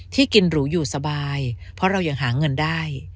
ที่กินหรูอยู่สบายเพราะเรายังหาเงินได้